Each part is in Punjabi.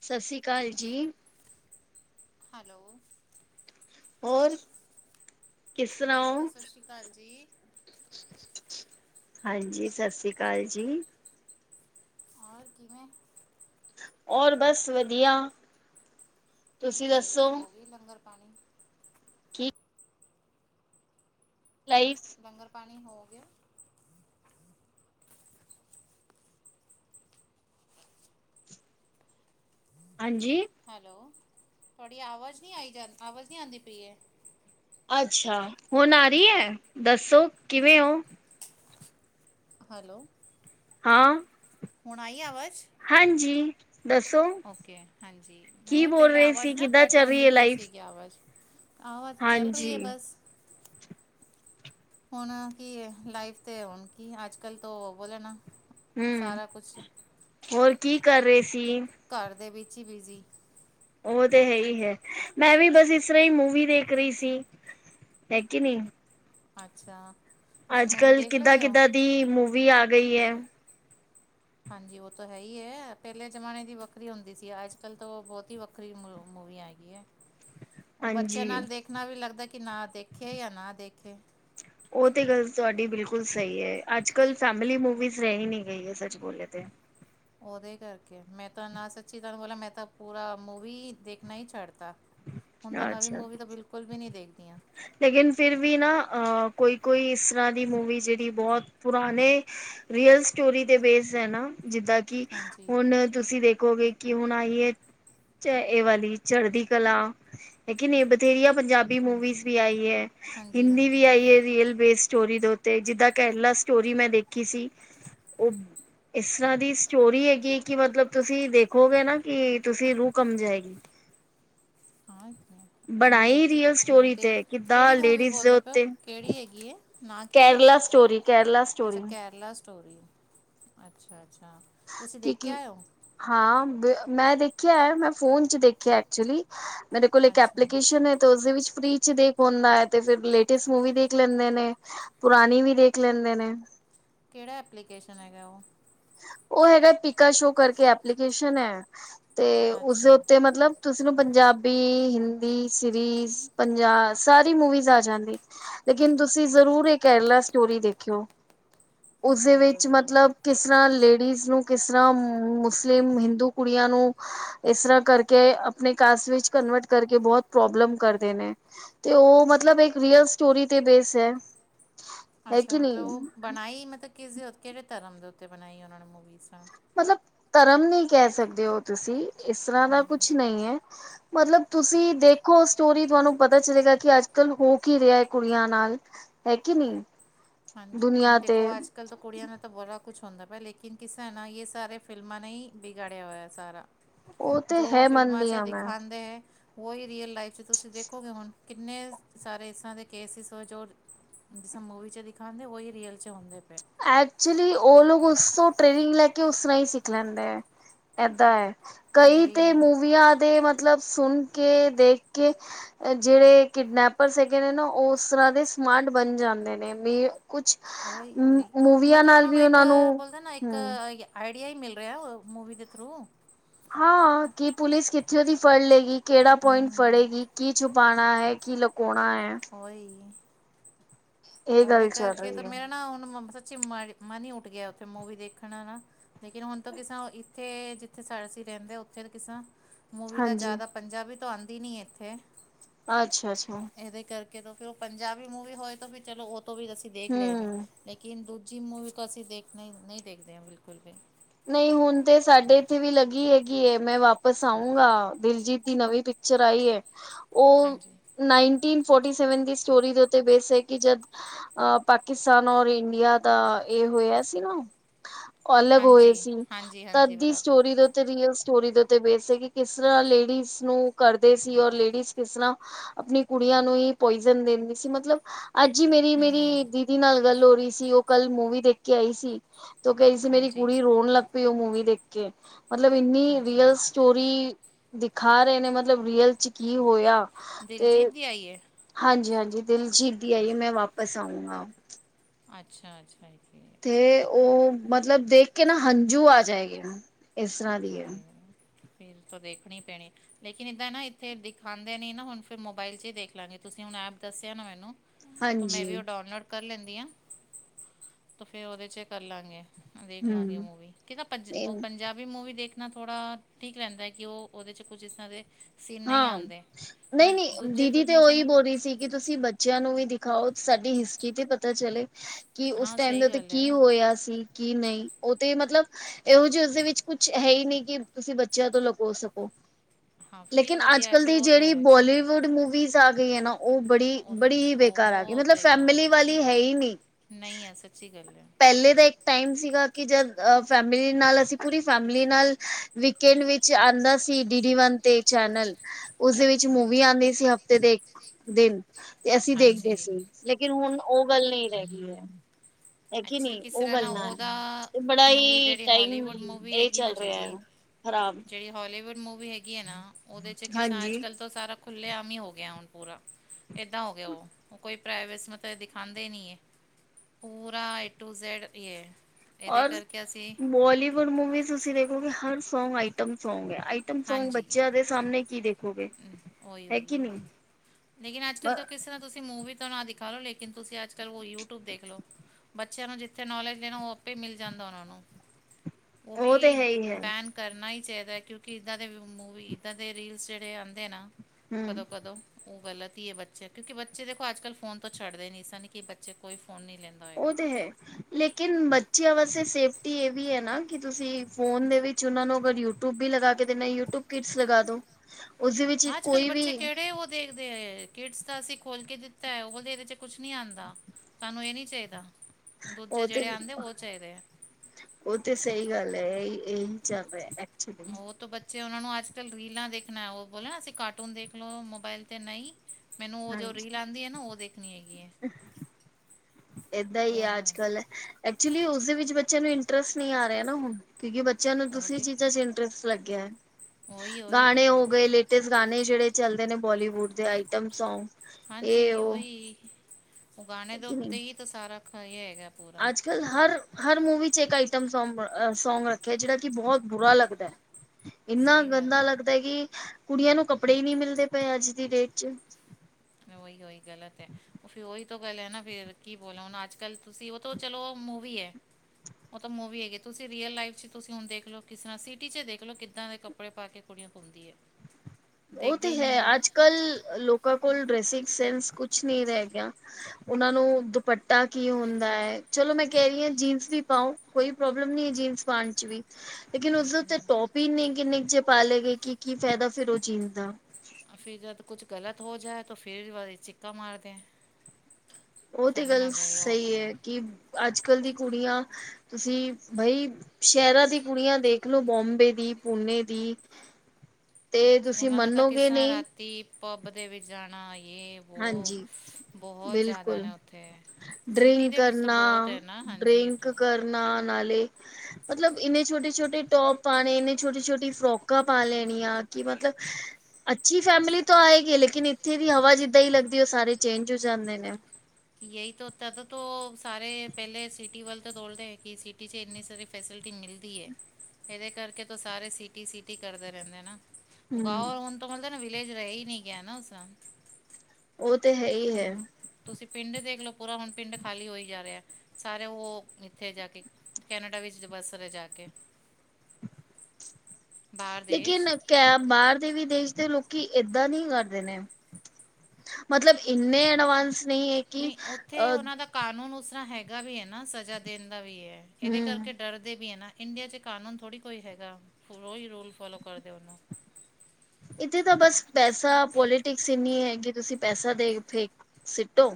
ਸਤਿ ਸ੍ਰੀ ਕਾਲ ਜੀ। ਹੈਲੋ ਹੋਰ ਕਿਸ ਰਾ ਹੈਲੋ ਓ ਸਤਿ ਸ਼੍ਰੀ ਅਕਾਲ ਜੀ। ਹਾਂਜੀ ਸਤਿ ਸ੍ਰੀ ਕਾਲ ਜੀ। ਹੋਰ ਕਿਵੇਂ ਔਰ ਬਸ ਵਧੀਆ ਕੀ ਤੁਸੀਂ ਕਰਦੇ ਦੱਸੋ ਸੀ ਹੋ ਗਈ ਲੰਗਰ ਪਾਣੀ ਠੀਕ ਲਾਈਟਸ ਲੰਗਰ ਪਾਣੀ ਹੋ ਗਿਆ। ਹਾਂਜੀ ਹੈਲੋ ਤੁਆਡੀ ਆਵਾਜ਼ ਨਈ ਆਈ ਜਾਂਦੀ ਆਵਾਜ਼ ਨਈ ਆਂਦੀ ਪਈ ਏ। ਅੱਛਾ ਹੁਣ ਆਰੀ ਏ ਦੱਸੋ ਕਿਵੇਂ ਓ ਹੈਲੋ ਹਾਂ ਹੁਣ ਆਈ ਆਵਾਜ਼ ਹਾਂਜੀ ਦੱਸੋ ਓਕੇ ਹਾਂਜੀ ਮੈਂ ਕੀ ਓ ਬੋਲ ਪੈਲੇ ਰਹੇ ਸੀ? ਆਵਾਜ਼ ਨਾ ਕਿੱਦਾਂ ਘੱਟ ਚੱਲ ਰਹੀ ਆਉਂਦੀ ਹੈ ਪਈ ਲਾਈਫ? ਸੀਗੀ ਆਵਾਜ਼ ਆਵਾਜ ਚੱਲ ਰਈ ਹਾਂਜੀ, ਏ ਬਸ ਹੁਣ ਕੀਏ ਲਾਈਫ ਤੇ ਹੁਣ ਕੀ ਅੱਜ ਕੱਲ ਤੋਂ ਬੋਲੇ ਨਾ ਹੂੰ। ਸਾਰਾ ਕੁਛ ਹੋਰ ਕੀ ਕਰ ਰਏ ਸੀ। ਘਰ ਦੇ ਵਿੱਚ ਈ ਬਿਜ਼ੀ ਓ ਤੇ ਹੈ ਹੀ ਹੈ ਮੈਂ ਵੀ ਬਸ ਇਸ ਤਰ੍ਹਾਂ ਹੀ ਮੂਵੀ ਦੇਖ ਰਹੀ ਸੀ। ਹੈ ਕਿ ਨੀ ਅੱਛਾ ਤੁਸੀਂ ਅੱਜ ਮੂਵੀ ਕਲ ਦੇਖ ਕਿੱਦਾਂ ਲੈਂਦੇ ਹੋ ਕਿੱਦਾਂ ਦੀ ਮੂਵੀ ਆ ਗਈ ਐ। ਹਾਂਜੀ ਵੋ ਤੋ ਹੈਈ ਐ ਪੇਲੇ ਜਮਾਨੇ ਦੀ ਵੱਖਰੀ ਹੁੰਦੀ ਸੀ ਅੱਜ ਕੱਲ ਤੋ ਬੋਤ ਹੀ ਵੱਖ ਵੱਖਰੀ ਮਰੂ ਮੂਵੀ ਹੇਗੀ ਐ। ਓ ਬੱਚਿਆਂ ਹਾਂਜੀ, ਨਾਲ ਦੇਖਣਾ ਵੀ ਲੱਗਦਾ ਕਿ ਨਾ ਦੇਖੇ ਯਾ ਨਾ ਦੇਖੇ ਓ ਤੇ ਗੱਲ ਤੁਆਡੀ ਬਿਲਕੁਲ ਸਈ ਐ ਅੱਜ ਕੱਲ ਫੈਮਿਲੀ ਮੂਵੀਜ਼ ਰਏ ਹੀ ਨੀ ਗਈ ਸੱਚ ਬੋਲੇ ਤੇ ਉਦੇ ਕਰਕੇ ਮੈਂ ਤਾਂ ਨਾ ਸੱਚੀ ਤੁਨ ਬੋਲਾ ਮੈਂ ਤਾਂ ਪੂਰਾ ਮੂਵੀ ਦੇਖਣਾ ਹੀ ਛੱਡਤਾ ਹੁਣਦਾ ਨਵੀਂ ਅੱਛਾ ਮੂਵੀ ਤਾਂ ਬਿਲਕੁਲ ਵੀ ਨੀ ਦੇਖਦੀਆਂ ਲੇਕਿਨ ਫਿਰ ਵੀ ਨਾ ਅ ਕੋਈ-ਕੋਈ ਇਸ ਰ੍ਹਾਂ ਦੀ ਮੂਵੀ ਜੇੜੀ ਬੋਤ ਪੁਰਾਣੇ ਰੀਅਲ ਸਟੋਰੀ ਦੇ ਬੇਸ ਹੈ ਨਾ ਜਿੱਦਾਂ ਕਿ ਹਾਂਜੀ, ਹੁਣ ਤੁਸੀਂ ਦੇਖੋਗੇ ਕਿ ਹੁਣ ਆਈਏ 'ਚ ਇਹ ਵਲੀ ਚੜ੍ਹਦੀ ਕਲਾ ਹੈ ਕਿ ਨੀ ਬਥੇਰੀਆਂ ਪੰਜਾਬੀ ਬੀ ਹਾਂਜੀ। ਮੂਵੀਜ਼ ਵੀ ਆਈ ਐ ਹਿੰਦੀ ਵੀ ਹਾਂਜੀ-ਹਾਂਜੀ ਆਈ ਐ ਰੀਅਲ ਬੇਸ ਸਟੋਰੀ ਦੋ ਤੇ ਜਿਦਾਂ ਕੇਰਲਾ ਸਟੋਰੀ ਮੈਂ ਦੇਖੀ ਸੀ ਓ ਇਸਰ੍ਹਾਂ ਦੀ ਸਟੋਰੀ ਹੈਗੀ ਐ ਕਿ ਮਤਲਬ ਤੁਸੀਂ ਦੇਖੋਗੇ ਨਾ ਕਿ ਤੁਸੀਂ ਰੂਹ ਕਮ ਜਾਏਗੀ। ਹਾਂ ਕੀ ਨਹੀਂ ਬਣਾਈ ਐਕਚੀਕ ਰੀਅਲ ਮੈਂ ਸਟੋਰੀ ਤੇ ਕਿੱਦਾਂ ਕੇੜੀ ਮੂਵੀ ਲੇਡੀਜ਼ ਦੇ ਬੋਲਦੇ ਪਓ ਉੱਤੇ ਕੇੜੀ ਹੈਗੀ ਏ। ਨਾਂ ਕੀ ਐ ਕੇਰਲਾ ਸਟੋਰੀ ਕੇਰਲਾ ਅੱਛਾ ਸਟੋਰੀ ਕੇਰਲਾ ਸਟੋਰੀ ਅੱਛਾ-ਅੱਛਾ ਤੁਸੀਂ ਕੀ ਦੇਖਕੇ ਕੀ ਆਏ ਓ ਹਾਂ ਮੈਂ ਦੇਖਿਆ ਐ ਮੈਂ ਫੋਨ ਚ ਦੇਖਿਆ ਐ ਐਕਚੁਲੀ ਮੇਰੇ ਕੋਲ ਏਕ ਅੱਛਾ ਐਪਲੀਕੇਸ਼ਨ ਹੈ ਤੇ ਉਸਦੇ ਵਿੱਚ ਫਰੀ 'ਚ ਦੇਖ ਹੁੰਦਾ ਐ ਤੇ ਫਿਰ ਲੇਟੈਸਟ ਮੂਵੀ ਦੇਖ ਲੈਂਦੇ ਨੇ ਪੁਰਾਣੀ ਵੀ ਦੇਖ ਲੈਂਦੇ ਨੇ। ਕੇੜਾ, ਐਪਲੀਕੇਸ਼ਨ ਹੈਗਾ ਔ? ਔ ਹੈਗਾ, ਪੀਕਾਸ਼ੋ ਕਰਕੇ ਐਪਲੀਕੇਸ਼ਨ ਐ। ਤੇ ਓਸ ਦੇ ਅੱਛਾ ਉੱਤੇ, ਮਤਲਬ ਤੁਸੀਂ ਨੂੰ ਪੰਜਾ ਬੀ ਹਿੰਦੀ ਸੀਰੀਜ਼, ਪਜਾ ਸਾਰੀ ਮੂਵੀਜ਼ ਆ ਜਾਂਦੀ। ਲੇਕਿਨ ਤੁਸੀਂ ਜ਼ਰੂਰ ਏਕ ਕੇਰਲਾ ਸਟੋਰੀ ਦੇਖਿਓ, ਓਸਦੇ ਵਿੱਚ ਜ਼ਰੂਰ ਮਤਲਬ ਕਿਸ ਤਰ੍ਹਾਂ ਲੇਡੀਜ਼ ਨੂੰ ਕਿਸ ਤਰ੍ਹਾਂ, ਮੁਸਲਿਮ ਹਿੰਦੂ ਕੁੜੀਆਂ ਨੂੰ ਏਸ ਤਰ੍ਹਾਂ ਕਰਕੇ ਅਪਣੇ ਕਾਸਟ ਵਿਚ ਕਨਵਰਟ ਕਰਕੇ ਬੋਤ ਪ੍ਰੋਬਲਮ ਕਰਦੇ ਨੇ। ਤੇ ਔ ਮਤਲਬ ਏਕ ਰੀਅਲ ਸਟੋਰੀ ਤੇ ਬੇਸ ਐ। ਅੱਛਾ, ਮਤ ਔ ਬਣਾਈ ਮਤਲਬ ਕੇਸਦੇ ਕੇੜੇ ਧਰਮ ਦੇ ਉਤੇ ਬਣਾਈ ਓਨਾਂ ਨੇ ਮੂਵੀਜ਼? ਮਤਲਬ ਤਰਮ ਨੀ ਕੈ ਸਕਦੇ ਔ ਤੁਸੀਂ ਇਸ ਤਰ੍ਹਾਂ ਦਾ ਹਾਂਜੀ ਕੁਛ ਨਈ ਐ। ਮਤਲਬ ਤੁਸੀਂ ਦੇਖੋ ਸਟੋਰੀ ਤੁਆਨੂੰ ਪਤਾ ਚਲੇਗਾ ਕੀ ਅੱਜ-ਕੱਲ ਹੋ ਕੀ ਰੇਆ ਏ ਕੁੜੀਆਂ ਨਾਲ। ਹੈ, ਕੀ ਨੀ? ਹਾਂਜੀ, ਨੀ ਦੇਖੋ ਅੱਜ ਕੱਲ ਕੁੜੀਆਂ ਨਾਲ ਤਾਂ ਬੜਾ ਕੁਛ ਹੁੰਦਾ ਪੇਆ ਲੇਕਿਨ ਕਿਸੇ ਨਾ ਯੇ ਸਾਰੇ ਫਿਲਮਾਂ ਨੇ ਈ ਵਿਗਾੜਿਆ ਹੋਇਆ ਸਾਰਾ। ਉਹ ਤੇ ਜੋ ਹੈ ਫਿਲਮਾਂ ਮੰਨਦੀ ਚ ਹਾਂ ਮੈਂ। ਦੀਖਾਂਦੇ ਐ, ਔਹੀ ਰੀਅਲ ਲਾਈਫ ਚ ਤੁਸੀਂ ਦੇਖੋਗੇ ਹੁਣ। ਕਿੰਨੇ ਸਾਰੇ ਏਸ ਤਰ੍ਹਾਂ ਦੇ ਕੇਸਿਸ ਹੋ ਜੋ, ਜਿਸਾਂ ਮੂਵੀ ਦਿਖ ਖਾਂਦੇ, ਔਈ ਰੀਅਲ ਚ ਹੁੰਦੇ ਪੈ। ਐਚਲੀ ਓ ਲੋਕ ਓਸ ਤੋਂ ਟ੍ਰੇਨਿੰਗ ਲੈ ਕੇ ਓਸਰ੍ਹਾਂ ਹੀ ਸਿੱਖ ਲੈਂਦੇ ਐ, ਏਦਾਂ ਐ। ਕਈ ਤੇ ਉਹੀ ਮੂਵੀਆਂ ਦੇ ਮਤਲਬ ਸੁਣ ਕੇ ਦੇਖ ਕੇ ਜੇੜੇ ਕਿਡਨੈਪਰਸ ਹੈਗੇ ਨੇ ਨਾ ਓ ਓਸ ਤਰ੍ਹਾਂ ਦੇ ਸਮਾਰਟ ਬਣ ਜਾਂਦੇ ਨੇ ਮੇ ਕੁਛ ਔਈ-ਔਈ, ਮੂਵੀਆਂ ਮਤਲਬ ਨਾਲ ਓਨਾਂ ਵੀ ਨੂੰ ਏਕ ਉਹਨਾਂ ਬੋਲਦੇ ਨਾ ਏਕ ਹਮ ਆਈ ਆਈਡੀਆ ਈ ਮਿਲ ਰੇਆ ਮੂਵੀ ਦੇ ਥਰੂ। ਹਾਂ, ਕੀ ਪੁਲਿਸ ਕਿੱਥੇ ਔਦੀ ਫੜ ਲੇਗੀ ਕੇੜਾ ਪੁਆਇੰਟ ਹਮ ਫੜੇਗੀ ਕੀ ਛੁਪਾਣਾ ਐ ਕੀ ਲਕੋਣਾ ਐ। ਔਈ, ਇਹ ਔਦੇ ਗੱਲ ਚੱਲ ਕਰਕੇ ਤਾਂ ਰਹੀ ਹੈ ਮੇਰਾ ਨਾ, ਹੁਣ ਮ ਸਚੀ ਮਾ ਮਨ ਈ ਓਠ ਗੇਆ ਓਥੇ ਮੂਵੀ ਦੇਖਣ ਨਾ ਲੇਕਿਨ ਹੁਣ ਤਾਂ ਕਿਸਾਂ ਨੋ ਈਥੇ ਜਿੱਥੇ ਸਾ ਅਸੀ ਰੈਂਦੇ, ਓਥੇ ਤਾਂ ਕਿਸਾਂ ਮੂਵੀ ਤਾਂ ਹਾਂਜੀ ਜ਼ਾਦਾ ਪੰਜਾਬੀ ਤੋਂ ਆਂਦੀ ਨੀ ਏਥੇ। ਆ ਛਾ-ਛਾ। ਏਦੇ ਕਰਕੇ, ਫਿਰ ਔ ਪੰਜਾਬੀ ਮੂਵੀ ਹੋਏ ਤਾਂ ਫਿ ਚਲੋ ਔ ਤੋਂ ਵੀ ਅਸੀਂ ਦੇਖ ਲੇਨੇ ਹਮ ਲੇ ਕੇਨ ਦੂਜੀ ਮੂਵੀ ਤੋ ਅਸੀਂ ਦੇਖਣੇ ਨਈ ਦੇਖਦੇ ਆ ਬਿਲਕੁਲ ਵੀ। ਨਈ, ਹੁਣ ਤੇ ਸਾਡੇ ਏਥੇ ਵੀ ਲੱਗੀ ਹੈਗੀ ਏ ਮੈਂ ਵਾਪਸ ਆਊਂਗਾ, ਦਿਲਜੀਤ ਦੀ ਨਵੀਂ ਪਿਕਚਰ ਆਈ ਏ। [inaudible] ਓ, ਨਾਇਨਟਿਨ ਫੋਟੀ-ਸੈਵਨ ਦੀ ਸਟੋਰੀ ਦੇ ਉਤੇ ਬੇਸ ਏ ਕਿ ਜਦ ਅ ਪਾਕਿਸਤਾਨ ਔਰ ਇੰਡੀਆ ਦਾ ਏ ਹੋਇਆ ਸੀ ਨਾ, ਔਲੱਗ ਹੋਏ ਹਾਂਜੀ ਸੀ। ਹਾਂਜੀ ਤਦ ਹਾਂਜੀ ਦੀ ਬਰਾਬਰ ਸਟੋਰੀ ਰੀਅਲ ਸਟੋਰੀ ਦੇ ਓਤੇ ਬੇਸ ਸੀ ਕੀ ਕਿਸ ਤਰ੍ਹਾਂ ਲੇਡੀਜ਼ ਨੂੰ ਕਰਦੇ ਸੀ, ਔਰ ਲੇਡੀਜ਼ ਕੀਸ ਤਰ੍ਹਾਂ ਅਪਣੀ ਕੁੜੀਆਂ ਨੂੰ ਈ, ਪੋਇਜ਼ਨ ਦੇੰਦੀ ਸੀ ਮਤਲਬ ਅੱਜ ਈ ਮੇਰੀ ਹਮ ਮੇਰੀ ਦੀਦੀ ਨਾਲ ਗੱਲ ਹੋ ਰੀ ਸੀ ਔ ਕੱਲ ਮੂਵੀ ਦੇਖ ਕੇ ਆਈ ਸੀ। ਤੇ ਔ ਕੈ ਰੀ ਸੀ ਮੇਰੀ ਹਾਂਜੀ ਕੁੜੀ ਰੋਣ ਲੱਗ ਪਈ ਔ ਮੂਵੀ ਦੇਖ ਕੇ, ਮਤਲਬ ਇੰਨੀ ਅੱਛਾ ਰੀਅਲ ਸਟੋਰੀ ਦਿਖਾ ਰਏ ਨੇ, ਮਤਲਬ, ਰੀਅਲ ਚ ਕੀ ਹੋਏਆ। ਦਿਲਜੀਤ ਜੀ ਆਈਏ? ਹਾਂਜੀ-ਹਾਂਜੀ ਦਿਲਜੀਤ ਦੀ ਆਈਏ ਮੈਂ ਵਾਪਸ ਆਊਂਗਾ। ਅੱਛਾ-ਅੱਛਾ, [unintelligible] ਤੇ ਔ, ਮਤਲਬ ਦੇਖ ਕੇ ਨਾ ਹੰਝੂ ਆ ਜਾਏਗੇ, ਏਸ ਤਰ੍ਹਾਂ ਦੀ ਐ। ਫੇਰ, ਤੋ ਦੇਖਣੀ ਪੈਣੀ। ਲੇਕਿਨ, ਏਦਾਂ ਏਨਾ ਏੱਥੇ ਦਿਖਾਂਦੇ ਨੀ ਨਾ ਹੁਣ ਫੇਰ ਮੋਬਾਈਲ 'ਚ ਈ ਦੇਖ ਲਾਂਗੇ। ਤੁਸੀਂ ਹੁਣ ਐਪ ਦੱਸਿਆ ਨਾ ਮੈਨੂੰ ਤੋ ਮੈਂ ਹਾਂਜੀ ਵੀ ਓ ਡਾਊਨਲੋਡ ਕਰ ਲੈਂਦੀ ਆਂ, ਤੇ ਫੇਰ ਔਦੇ 'ਚ ਕਰ ਲਾਂਗੇ। ਦੇਖ ਲਾਂਗੇ ਓ ਹਮ ਮੂਵੀ, ਕਿਦਾ ਪੰਜ ਓ ਪੰਜਾਬ ਵੀ ਮੂਵੀ ਦੇਖਣਾ ਥੋੜਾ ਠੀਕ ਰਹਿੰਦਾ ਐ, ਕਿ ਓ ਓਦੇ ਚ ਕੁੱਜ ਇਸ ਤਰ੍ਹਾਂ ਦੇ ਸੀਨ ਨਹੀਂ ਹਾਂ, ਆਉਂਦੇ ਨਈ ਬਟ ਨਈ ਦੂਜੇ ਦੀਦੀ ਫਿਲਮ 'ਚ ਓਈ ਨਾ ਬੋਲ ਰਹੀ ਸੀ। ਕਿ ਤੁਸੀ ਬੱਚੇਆਂ ਨੂੰ ਵੀ ਦਿਖਾਓ, ਸਾਡੀ ਹਿਸਟਰੀ ਤੇ ਪਤਾ ਚਲੇ। ਕਿ ਉਸ ਹਾਂ ਟਾਈਮ ਦੇ ਸਹੀ ਉਤੇ ਗੱਲ ਕੀ ਹੈ ਹੋਇਆ ਸੀ ਕੀ ਨਹੀਂ, ਓ ਤੇ ਮਤਲਬ ਇਹੋ ਜਿਹਾ ਉਸਦੇ ਵਿੱਚ ਕੁਛ ਹੈ ਹੀ ਨੀ, ਕਿ ਤੁਸੀ ਬੱਚੇਆਂ ਤੋਂ ਲਕੋ ਸਕੋ। ਹਾਂ ਫਿਰ ਲੇਕਿਨ ਅੱਜ ਵਧੀਆ ਹੈ ਕੱਲ ਫਿਰ ਦੀ ਉਹ ਤਾਂ ਜੇੜੀ ਹੈ ਕਿ ਬੋਲੀਵੁੱਡ ਮੂਵੀਜ਼ ਆ ਗਈ ਐ ਨਾ ਓ ਬੜੀ ਉਹ ਤਾਂ ਬੜੀ ਹੀ ਬੇਕਾਰ ਆ ਗਈ, ਬਹੁਤ ਮਤਲਬ ਫੈਮਿਲੀ ਵਾਲੀ ਹੈ ਈ ਨੀ। ਨਈ ਹੈ ਸੱਚੀ ਗੱਲ ਐ। ਪਹਿਲੇ ਦਾ ਇੱਕ ਟਾਈਮ ਸੀਗਾ ਕਿ, ਜਦ ਫੈਮਲੀ ਨਾਲ ਅਸੀ ਪੂਰੀ ਫੈਮਲੀ ਨਾਲ ਵੀਕਂਡ ਵਿੱਚ ਆਂਦਾ ਸੀ ਡੀ ਡੀ ਵਨ ਤੇ ਚੈਨਲ ਉਸਦੇ ਵਿੱਚ ਮੂਵੀ ਆਂਦੀ ਸੀ ਹਫ਼ਤੇ ਦੇ ਏਕ ਦਿਨ ਤੇ ਅਸੀ ਦੇਖਦੇ ਹਾਂਜੀ ਸੀ। ਲੇਕਿਨ ਹੁਣ ਓ ਗੱਲ ਨਈ ਰਹਿ ਗਈ। ਹੈ ਕੀ ਨੀ, ਐਕਚੁਲੀ ਕਿਸ ਓ ਤਰ੍ਹਾਂ ਗੱਲ ਨਾ ਉਹਦਾ ਐ, ਬੜਾ ਮੂਵੀ ਈ ਜਿਹੜੀ ਟਾਈਮ ਹਾਲੀਵੁੱਡ ਮੂਵੀ ਏ ਚੱਲ ਰਿਹਾ ਐ। ਖਰਾਬ। ਹੋਲੀਵੁੱਡ ਮੂਵੀ ਹੈਗੀ ਐ ਨਾ, ਓਦੇ 'ਚ ਕਿਸਰਾ ਅੱਜ ਹਾਂਜੀ ਕੱਲ੍ਹ ਤਾਂ ਸਾਰਾ ਖੁੱਲੇ ਆਮ ਈ ਹੋ ਗਿਆ ਹੁਣ ਪੂਰਾ। ਏਦਾਂ ਹੋ ਗਿਆ ਓ, ਓਹ ਕੋਈ ਪ੍ਰਾਈਵੇਸ ਮਤਲਬ ਦਿਖਾਦੇ ਈ ਨੀ ਏ, ਪੂ ਰਾ ਏ ਟੂ ਜ਼ੈਡ ਈ ਏ। ਔਰ, ਬੋਲੀਵੁਡ ਮੂਵੀ ਤੁਸੀ ਦੇਖੋਗੇ ਹਰ ਸੌਗ ਆਈਟਮ ਸੌਂਗ ਐ। ਆਈਟਮ ਸੌਗ, ਹਾਂਜੀ ਬੱਚੈਆਂ ਦੇ ਸਾਹਮਣੇ ਕੀ ਦੇਖੋਗੇ? ਉਹੀ ਹੈ ਕਿ ਉਹੀ ਨੀ। ਲੇਕਿਨ ਅੱਜ ਕੱਲ ਤੋ ਕਿਸਰਾਂ ਤੁਸੀਂ ਮੂਵੀ ਤੋਂ ਨਾ ਦਿਖਾ ਲੋ, ਲੋਕਿਨ ਤੁਸੀ ਅੱਜ ਕੱਲ ਯੂਟਿਊਬ ਦੇਖ ਲੋ। ਬੱਚੇਆਂ ਨੂੰ ਜਿੱਥੇ ਨੌਲੇਜ ਲੇਣਾ, ਓ ਆਪੇ ਹੀ ਮਿਲ ਜਾਂਦਾ ਓਨਾਂ ਨੂੰ। ਉਹ ਤੇ ਵੀ ਹੈ ਹੀ ਹੈ ਬੈਨ ਕਰਨਾ ਈ ਚਾਹੀਦਾ ਕਿਉਂਕਿ ਕਿ ਇੱਦਾਂ ਦੇ ਮੂਵੀ, ਇੱਦਾਂ ਦੇ ਰੀਲਸ ਜੇੜੇ ਆਂਦੇ ਨਾ ਹਮ ਕਦੋਂ ਕਦੋਂ। ਓ ਗਲਤ ਈ ਐ ਬੱਚੇ, ਕਿਉਂਕਿ ਬੱਚੇ ਦੇਖੋ ਅੱਜ ਕੱਲ ਫੋਨ ਤੋਂ ਛੱਡਦੇ ਨਈ ਸਨ, ਕਿ ਬੱਚੇ ਕੋਈ ਫੋਨ ਨੀ ਲੈਂਦੇ। ਓ ਤੇ ਹੈ, ਲੇਕਿਨ ਬੱਚੇਆਂ ਵਾਸਤੇ ਸੇਫਟੀ ਏ ਵੀ ਏਨਾ ਕਿ ਤੁਸੀ ਫੋਨ ਦੇ ਵਿੱਚ ਔਨਾ ਨੂੰ ਅਗਰ ਯੂਟਿਊਬ ਵੀ ਲਗਾ ਕੇ ਦਿੰਨੇ, ਯੂਟਿਊਬ ਕਿਡਸ ਲਗਾ ਦੋ। ਉਸਦੇ ਵਿੱਚ ਅੱਜ ਕੱਲ ਕੋਈ ਵੀ ਬੱਚੇ ਕੇਹੜੇ ਓ ਦੇਖਦੇ ਐ ਕਿਡਸ ਤਾ ਅਸੀ ਖੋਲ ਕੇ ਦਿੱਤਾ ਐ, ਓ ਐਦੇ 'ਚ ਕੁਛ ਨੀ ਆਂਦਾ। ਸਾਨੂੰ ਏਹ ਨੀ ਚਾਹੀਦਾ। ਦੂਜੇ ਉਹ ਤੇ ਜਿਹੜੇ ਆਉਂਦੇ ਉਹ ਚਾਹੀਦੇ ਹੈ ਓ ਤੇ ਸਹੀ ਗੱਲ ਐ, ਏਹੀ ਏਹੀ ਚੱਲ ਰਿਹਾ ਐ। ਓ ਤੋ ਬ ਬਚੇ ਓਨਾਂ ਨੂੰ ਅੱਜ ਕੱਲ ਰੀਲਾਂ ਦੇਖਣਾ। ਓ ਬੋਲ ਨਾ ਅਸੀ ਕਾਰਟੂਨ ਦੇਖਲੋ, ਮੋਬਾਇਲ ਤੇ ਨਈ। ਮੈਨੂੰ ਐ ਜੋ ਰੀਲ ਹਾਂਜੀ ਆਂਦੀ ਐ ਨਾ, ਓ ਦੇਖਣੀ ਹੈਗੀ ਏ। ਏਦਾਂ ਈ ਏ ਤਾਂ ਅੱਜ ਹੈ, ਕੱਲ। ਐਕਚੁਲੀ ਉਸਦੇ ਵਿੱਚ ਬੱਚੇਆਂ ਨੂੰ ਇੰਟਰਸਟ ਨਈ ਆ ਰਿਹਾ ਨਾ ਹੁਣ। ਕਿਉਂਕਿ ਬੱਚੈਆਂ ਨੂੰ ਉਹ ਦੂਸਰੀ ਦੇਖ ਚੀਜ਼ਾਂ 'ਚ ਇੰਟਰਸਟ ਲੱਗਿਆ ਹੈ, ਉਹੀ-ਉਹੀ ਤਾਂ ਗਾਣੇ ਹੋ ਕਰਕੇ ਗਏ ਲੇ ਟਸ ਗਾਣੇ ਜੇੜੇ ਚਲਦੇ ਨੇ ਬੋਲੀਵੁੱਡ ਦੇ ਆਈਟਮ ਸੌਂਗ ਇਹ ਹਾਂਜੀ ਉਹ ਓਹੀ, ਉ ਹੈ ਗਾਣੇ ਦੇ ਕਿ ਨਹੀਂ ਉੱਤੇ ਹੀ ਤਾਂ ਸਾਰਾ ਖਾਈ ਹੈਗਾ। ਪੂਰਾ ਅੱਜ ਕਲ ਹਰ, ਹਰ ਮੂਵੀ 'ਚ ਇੱਕ ਆਈਟਮ ਸੌਂਗ ਸੌਗ ਰੱਖਿਆ ਜੇਹੜਾ ਕਿ, ਬੋਹਤ ਬੁਰਾ ਲੱਗਦਾ ਐ। ਇੰਨਾ ਸਹੀ ਗੱਲ ਗੰਦਾ ਹੈ ਲੱਗਦਾ ਐ ਕਿ, ਕੁੜੀਆਂ ਨੂੰ ਕੱਪੜੇ ਈ ਨੀ ਮਿਲਦੇ ਪਏ ਅੱਜ ਦੀ ਡੇਟ 'ਚ। ਓਹੀ ਓਹੀ ਗ਼ਲਤ ਐ। ਫੇਰ ਓਹੀ ਤੋ ਗੱਲ ਏ ਨਾ ਫੇਰ ਕੀ ਬੋਲਾ ਹੁਣ ਅੱਜ ਕੱਲ ਤੁਸੀਂ ਉਹ ਤਾਂ ਚਲੋ ਮੂਵੀ ਐ। ਓ ਤਾਂ ਮੂਵੀ ਹੈਗੀ ਤੁਸੀ ਰੀਅਲ ਲਾਈਫ ਚ ਤੁਸੀ ਹੁਣ ਦੇਖਲੋ ਕਿਸ ਤਰ੍ਹਾਂ ਸਿਟੀ ਚ ਦੇਖ ਲੋ ਕਿੱਦਾਂ ਦੇ ਕੱਪੜੇ ਪਾ ਕੇ ਕੁੜੀਆਂ ਘੁਮਦੀ ਐ। ਉਹ ਤੇ ਹੈ ਅੱਜ ਕਲ ਲੋਕਾਂ ਕੋਲ ਡ੍ਰੈਸਿੰਗ ਸੈਂਸ ਕੁਛ ਨੀ ਰਹਿ ਗਿਆ। ਓਨਾਂ ਨੂੰ ਦੁਪੱਟਾ ਕੀ ਹੁੰਦਾ ਐ। ਚਲੋ ਮੈਂ ਕਹਿ ਰਹੀ ਹਾਂ ਜੀਨਸ ਵੀ ਪਾਓ। ਕੋਈ ਪ੍ਰੋਬਲਮ ਨੀ ਏ ਜੀਨਸ ਪਾਣ ਚ ਵੀ। ਲੇਕਿਨ ਉਸਦੇ ਉੱਤੇ ਲੇਕਿਨ ਟੋਪ ਹੀ ਕਿੰਨੇ ਕੁ ਜਿਹੇ ਪਾ ਲਏ ਗੀ ਕਿ ਕੀ ਫਾਇਦਾ ਫਿਰ ਉਹ ਜੀਨਸ ਦਾ। ਫਿਰ ਜਦ ਕੁਝ ਗ਼ਲਤ ਹੋ ਜਾਏ ਤਾਂ ਫਿਰ ਚਿਕਾਂ ਮਾਰਦੇ ਆ। ਉਹ ਤੇ ਗੱਲ ਹੋ ਸਹੀ ਗਿਆ ਹੈ ਕਿ। ਅੱਜ ਕੱਲ ਦੀ ਕੁੜੀਆਂ ਤੁਸੀਂ ਬਈ ਸ਼ਹਿਰਾਂ ਦੀ ਕੁੜੀਆਂ ਦੇਖ। ਉਹ ਬਾਮਬੇ ਦੀ ਪੂਨੇ ਦੀ ਤੇ ਤੁਸੀਂ ਮੰਨੋਗੇ ਨਹੀਂ। ਕੀ ਪਬ ਦੇ ਵਿੱਚ ਜਾਣਾ ਯੇ ਵੋ ਹਾਂਜੀ ਬਹੁਤ ਜ਼ਿਆਦਾ ਬਿਲਕੁਲ ਨੇ ਉੱਥੇ ਸਿਟੀ ਡਰਿੰਕ ਦੇ ਵਿੱਚ ਤਾਂ ਬਹੁਤ ਹੈ ਨਾ ਹਾਂਜੀ ਇਹ ਤੋਂ। ਨਾ ਨਾਲੇ। ਮਤਲਬ ਇੰਨੇ ਛੋਟੇ -ਛੋਟੇ ਟੋਪ ਪਾਉਣੇ ਇੰਨੇ ਛੋਟੀ-ਛੋਟੀ ਫਰੋਕਾਂ ਪਾ ਲੈਣੀਆਂ ਕਿ ਮਤਲਬ। ਅੱਛੀ ਫੈਮਿਲੀ ਤੋਂ ਆਏਗੀ ਲੇਕਿਨ ਇੱਥੇ ਦੀ ਹਵਾ ਜਿੱਦਾਂ ਹੀ ਲੱਗਦੀ ਉਹ ਸਾਰੇ ਚੇਂਜ ਹੋ ਜਾਂਦੇ ਨੇ। ਯਹੀ ਤੋ ਹੋਤਾ ਤੋਂ ਸਾਰੇ ਪਹਿਲੇ ਸਿਟੀ ਵੱਲੇ ਤਾਂ ਦੋੜਦੇ ਹੈ ਕਿ ਸਿਟੀ ਚ ਇੰਨੀ ਸਾਰੀਫ। ਫੈਸਿਲਿਟੀ ਮਿਲਦੀ ਏ ਇਹਦੇ ਕਰਕੇ ਤਾਂ ਸਾਰੇ ਸਿਟੀ-ਸਿਟੀ ਕਰਦੇ ਰਹਿੰਦੇ ਨਾ। ਹਮ ਗਾਓਂ ਹੁਣ ਤਾਂ ਮਤਲਬ ਨਾ ਵਿਲੇਜ ਰਹੇ ਹੀ ਨਹੀਂ ਗਿਆ ਨਾ ਉਸ ਉਹ ਤੇ ਹੈ ਹੀ ਹੈ। ਪਿੰਡ ਤੁਸੀਂ ਪਿੰਡ ਦੇਖ ਲਓ ਪੂਰਾ ਹੁਣ ਪਿੰਡ ਖਾਲੀ ਹੋ ਹੀ ਜਾ ਰਿਹਾ ਸਾਰੇ ਉਹ ਇੱਥੇ ਜਾ ਕੇ ਕੈਨੇਡਾ ਵਿੱਚ ਵੱਸ ਰਹੇ ਜਾ ਕੇ। ਬਾਹਰ ਲੇਕਿਨ। ਦੇਸ਼ ਕੇ ਬਾਹਰ ਦੇ ਵੀ ਦੇਸ਼ ਦੇ ਲੋਕੀ ਏਦਾਂ ਨਹੀਂ ਕਰ ਰਹੇ ਨੇ। ਮਤਲਬ ਇੰਨੇ ਅਡਵਾਂਸ ਨਹੀਂ ਹੈ ਕਿ ਉੱਥੇ ਅਹ। ਉਹਨਾਂ ਦਾ ਕਾਨੂੰਨ ਉਸ ਤਰ੍ਹਾਂ ਹੈਗਾ ਵੀ ਹੈ ਨਾ ਸਜ਼ਾ ਦੇਣ ਦਾ ਵੀ ਹੈ ਇਹਦੇ ਕਰਕੇ ਹਮ ਡਰਦੇ ਵੀ ਹੈ ਨਾ। ਇੰਡੀਆ 'ਚ ਕਾਨੂੰਨ ਥੋੜ੍ਹੀ ਕੋਈ ਹੈਗਾ ਉਹੀ ਰੂਲ ਫੋਲੋ ਕਰ ਦਿਓ ਉਹਨੂੰ। ਇੱਥੇ ਤਾਂ ਬਸ ਪੈਸਾ ਪੋਲੀਟਿਕਸ ਇੰਨੀ ਹੈ ਕਿ ਤੁਸੀਂ ਪੈਸਾ ਦੇ ਫੇ। ਸਿਟੋ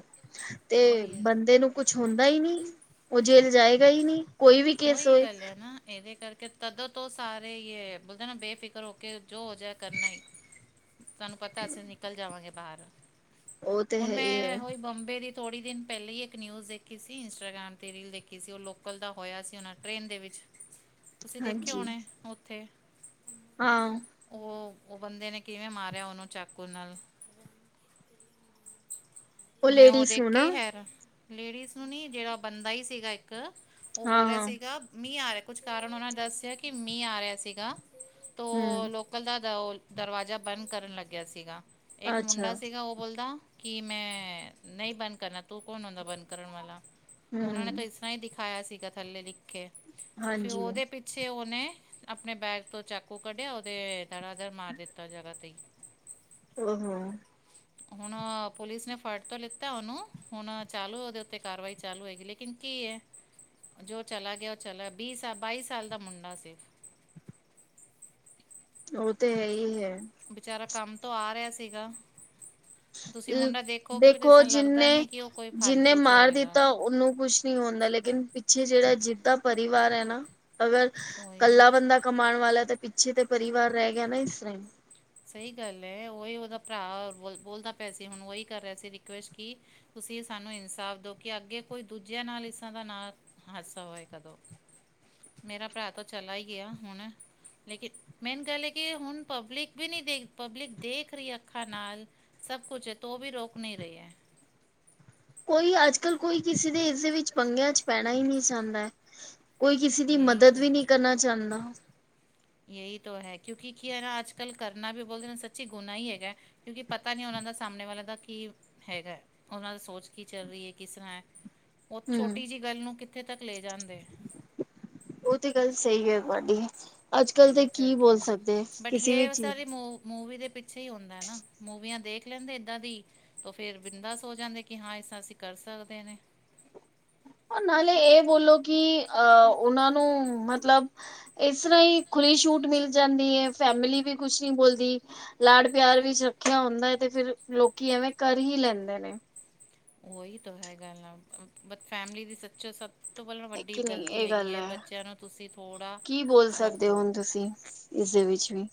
ਤੇ ਉਹੀ ਹੈ ਬੰਦੇ ਨੂੰ ਕੁਛ ਹੁੰਦਾ ਹੀ ਨਹੀਂ ਉਹ ਜੇਲ ਜਾਏਗਾ ਹੀ ਨਹੀਂ। ਕੋਈ ਵੀ ਕੇਸ ਉਹੀ ਹੋਏ ਗੱਲ ਹੈ ਨਾ ਇਹਦੇ ਕਰਕੇ ਤਦੋਂ ਤੋਂ ਸਾਰੇ ਇਹ ਬੋਲਦੇ ਨਾ ਬੇਫਿਕਰ ਹੋ ਕੇ ਜੋ ਹੋ ਜਾਏ ਕਰਨਾ ਹੀ। ਤੁਹਾਨੂੰ ਪਤਾ ਅਸੀਂ ਨਿਕਲ ਜਾਵਾਂਗੇ ਬਾਹਰ ਉਹ ਤੇ ਹੁਣ ਹੈ ਹੀ ਹੈ ਮੈਂ ਉਹੀ ਬੰਬੇ ਦੀ। ਥੋੜੀ ਦਿਨ ਪਹਿਲਾਂ ਹੀ ਇੱਕ ਨਿਊਜ਼ ਦੇਖੀ ਸੀ ਇੰਸਟਾਗ੍ਰਾਮ ਤੇ ਰੀਲ ਦੇਖੀ ਸੀ ਉਹ ਲੋਕਲ ਦਾ। ਹੋਇਆ ਸੀ ਉਹਨਾਂ ਟ੍ਰੇਨ ਦੇ ਵਿੱਚ ਤੁਸੀਂ ਦੇਖਿਆ ਹਾਂਜੀ। ਹੋਣਾ ਉੱਥੇ ਹਾਂ। ਉਹ-ਉਹ ਬੰਦੇ ਨੇ ਕਿਵੇਂ ਮਾਰਿਆ ਉਹਨੂੰ ਚਾਕੂ ਨਾਲ। ਮੈਂ ਉਹ ਲੇਡੀਜ਼ ਦੇਖ ਨੂੰ ਨਾ ਕੇ ਹੈਰਾਨ ਆ। ਲੇਡੀਜ਼ ਨੂੰ ਨੀ ਜਿਹੜਾ ਬੰਦਾ ਹੀ ਸੀਗਾ ਇੱਕ ਉਹ ਹਾਂ ਬੋਲ ਰਿਹਾ ਹਾਂ ਸੀਗਾ। ਮੀਂਹ ਆ ਰਿਹਾ ਕੁਛ ਕਾਰਨ ਉਹਨਾਂ ਨੇ ਦੱਸਿਆ ਕਿ ਮੀਂਹ ਆ ਰਿਹਾ ਸੀਗਾ ਤੋ ਹਮ ਲੋਕ। ਬੰਦਾ ਥਾ ਉਹ ਦਰਵਾਜ਼ਾ ਬੰਦ ਕਰਨ ਲੱਗਿਆ ਸੀਗਾ ਇੱਕ ਅੱਛਾ ਮੁੰਡਾ ਸੀਗਾ ਉਹ ਬੋਲਦਾ। ਕਿ ਮੈਂ ਨਹੀਂ ਬੰਦ ਕਰਨਾ ਤੂੰ ਕੌਣ ਆਉਂਦਾ ਬੰਦ ਕਰਨ ਵਾਲਾ ਉਹਨਾਂ ਨੇ ਹਮ ਤਾਂ ਇਸ ਤਰ੍ਹਾਂ ਹੀ ਦਿਖ। ਖਾਇਆ ਸੀਗਾ ਥੱਲੇ ਲਿਖੇ ਤੇ ਫਿਰ ਹਾਂਜੀ। ਉਹਦੇ। ਪਿੱਛੇ ਉਹਨੇ ਆਪਣੇ ਬੈਗ ਤੋਂ ਚਾਕੂ ਕੱਢਿਆ ਉਹਦੇ ਦੜਾ-ਦਡ ਮਾਰ ਦਿੱਤਾ ਜਗ੍ਹਾ ਤੇ ਹੀ। [inaudible] [unintelligible] [inaudible] ਹੁਣ ਪੁਲਿਸ ਨੇ ਫੜਟ ਤੋਂ ਲਿੱਤਾ ਉਹਨੂੰ, ਹੁਣ ਚਾਲੂ ਉਹਦੇ ਉੱਤੇ ਕਾਰਵਾਈ ਚਾਲੂ ਹੋਗੀ ਲੇਕਿਨ ਕੀ ਹੈ। ਜੋ ਚਲਾ ਗਿਆ ਉਹ ਚਲਾ, ਵੀਹ ਸਾਲ, ਬਾਈ ਸਾਲ ਦਾ ਮੁੰਡਾ ਸੀ। ਉਹ ਤੇ ਹੈ ਹੀ ਹੈ। ਵਿਚਚਾਰਾ ਕੰਮ ਤੋਂ ਆ ਰਿਹਾ ਸੀਗਾ। ਤੁਸੀਂ ਮੁੰਡਾ ਦੇਖੋਗੇ ਵੀ ਤਾਂ ਦੇਖੋ ਸਾਨੂੰ ਲੱਗਦਾ ਜਿੰਨੇ ਨੀ ਕਿ ਉਹ ਕੋਈ ਜਿੰਨੇ ਫਾਲਤੂ 'ਚ ਮਾਰ ਹੋਏਗਾ। ਦਿੱਤਾ ਉਹਨੂੰ ਕੁਛ ਨੀ ਹੁੰਦਾ, ਲੇਕਿਨ ਪਿੱਛੇ ਜਿਹੜਾ, ਜਿੱਦਾਂ ਪਰਿਵਾਰ ਹੈ ਨਾ। ਅਗਰ, ਉਹੀ ਕੱਲਾ ਬੰਦਾ ਕਮਾਉਣ ਵਾਲਾ ਤੇ ਪਿੱਛੇ ਤੇ ਪਰਿਵਾਰ ਰਹਿ ਗਿਆ ਨਾ ਇਸ ਤਰ ਹੀ। ਸਹੀ ਗੱਲ ਹੈ, ਉਹੀ ਉਹਦਾ ਭਰਾ ਬੋਲਦਾ ਪਿਆ ਸੀ ਹੁਣ ਉਹੀ ਕਰ ਰਿਹਾ ਸੀ ਰਿਕੁਐਸਟ ਕਿ। ਤੁਸੀਂ ਸਾਨੂੰ ਇਨਸਾਫ਼ ਦਿਓ ਕਿ ਅੱਗੇ ਕੋਈ ਦੂਜਿਆਂ ਨਾਲ ਇਸਾਂ ਦਾ ਨਾ। ਹਾਸਾ ਹੋਏ ਕਦੋਂ। ਮੇਰਾ ਭਰਾ ਤਾਂ ਚਲਾ ਈ ਗਿਆ ਹੁਣ। ਲੇਕਿਨ ਮੇਨ ਗੱਲ ਏ ਕਿ ਹੁਣ ਪਬਲਿਕ- ਵੀ ਨਈ ਦੇਖ, ਪਬਲਿਕ ਦੇਖ ਰ‌‌ਈ ਅੱਖਾਂ ਨਾਲ, ਸਭ ਕੁਛ ਏ ਤੋ ਵੀ ਰੋਕ ਨੀ ਰ‌ਈ ਐ। ਕੋਈ ਅੱਜ ਕੱਲ ਕੋਈ ਕਿਸੇ ਦੇ ਇਸਦੇ ਵਿੱਚ ਪੰਗਿਆਂ 'ਚ ਪੈਣਾ ਈ ਨ੍ਹੀਂ ਚਾਂਦਾ। ਕੋਈ ਕਿਸੇ ਦੀ ਯਹੀ ਮਦਦ ਤੋਂ ਵੀ ਨਈ ਕਰਨਾ ਚਾਂਦਾ। ਯਹੀ ਤੋ ਹੈ, ਕਿਉਂਕਿ ਕੀ‌‌ਹੇ ਦਾ ਆਜ ਕੱਲ ਕਰਨਾ ਵੀ ਬੋਲਦੇ ਸੱਚੀ ਗੁਨਾ ਈ ਹੈਗਾ। ਕਿਉਂਕਿ ਪਤਾ ਨੀ ਓਨਾਂ ਦਾ ਸਾਮਣੇ ਵਾਲਿਆਂ ਦਾ ਕਿ- ਹੈਗਾ, ਓਨਾਂ ਦੀ ਸੋਚ ਕੀ ਚੱਲ ਰਹੀ ਏ, ਕਿਸ ਤਰ੍ਹਾਂ ਐ। ਓ ਹਮ ਛੋਟੀ ਜੇਈ ਗੱਲ ਨੂੰ ਕਿੱਥੇ ਤੱਕ ਲੈ ਜਾਂਦੇ। ਓ ਤੇ ਗੱਲ ਸ‌ਈ ਏ ਤੁਆਡੀ। ਅੱਜ ਕੱਲ ਤਾਂ ਇਹਦੇ ਕੀ ਬੋਲ ਕਰਕੇ ਸਕਦੇ, ਬਟ ਕਿਸੇ ਵੀ ਯੇ ਚੀਜ਼ ਸਾਰੀ ਮੂ ਮੂਵੀ ਦੇ ਪਿੱਛੇ ਈ ਹੁੰਦਾ ਐ ਨਾ। ਮੂਵੀਆਂ ਦੇਖ ਲੈਂਦੇ ਏਦਾਂ ਦੀ। ਤੋ ਫੇਰ ਬਿੰਦਾਸ ਹੋ ਜਾਂਦੇ ਕਿ ਹਾਂ ਇਸ ਤਾ ਅਸੀਂ ਕਰ ਸਕਦੇ ਨੇ। ਨਾਲੇ ਏ ਬੋਲੋ ਕੀ ਅਹ ਓਨਾਂ ਨੂੰ ਮਤਲਬ- ਏਸ ਰ੍ਹਾਂ ਹ‌ਈ ਖੁੱਲੀ ਛੂਟ ਮਿਲ ਜਾਂਦੀ ਐ। ਫੈਮਲੀ ਵੀ ਕੁਛ ਨੀ ਬੋਲਦੀ। ਲਾਡ ਪਿਆਰ ਵਿੱਚ ਰੱਖਿਆ ਹੁੰਦਾ ਐ, ਤੇ ਫੇਰ ਲੋਕੀ ਐਵੇਂ ਕਰ ਈ ਲੈਂਦੇ ਨੇ। ਓਈ ਤੋ ਹੈਗਾ ਆ। ਬਟ ਫੈਮਿਲੀ ਦੀ ਸੱਚਾ ਸ- ਸਭ ਤੋਂ ਪੈਲਾ ਵੱਡੀ ਕਿ ਨਹੀਂ ਗ਼ਲਤੀ ਇਹ ਹੈਗੀ ਗੱਲ ਏ, ਹੈ ਬੱਚਿਆਂ ਨੂੰ ਤੁਸੀਂ ਥੋੜ੍ਹਾ ਰੱਖੋ- ਇਸ ਵਿੱਚ ਵੀ-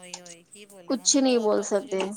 ਓਈ- ਓਈ ਕੀ ਬੋਲਿਆ ਕੁਛ ਹੁਣ ਤੋ ਨਹੀਂ ਬੋਲ ਆਪਾਂ ਬੋਲੀ ਈ ਨੀ ਸਕਦੇ ਸਕ-